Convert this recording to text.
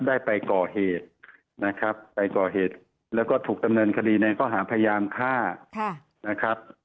ได้ไปก่อเหตุนะครับไปก่อเหตุแล้วก็ถูกดำเนินคดีในข้อหาพยายามฆ่านะครับ